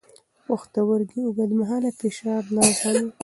پښتورګي اوږدمهاله فشار نه زغمي.